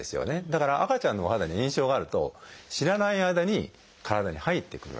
だから赤ちゃんのお肌に炎症があると知らない間に体に入ってくるわけです。